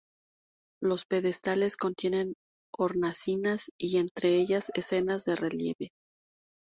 Los pedestales contienen hornacinas y entre ellas escenas en relieve.